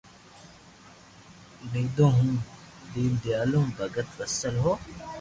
نيدون ھو دينديالو ھون ڀگت وسل ھون